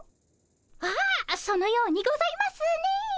ああそのようにございますね。